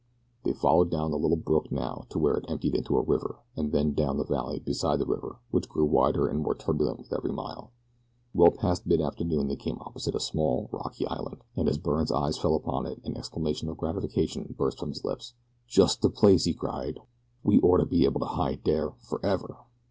They followed down the little brook now to where it emptied into a river and then down the valley beside the river which grew wider and more turbulent with every mile. Well past mid afternoon they came opposite a small, rocky island, and as Byrne's eyes fell upon it an exclamation of gratification burst from his lips. "Jest de place!" he cried. "We orter be able to hide dere forever."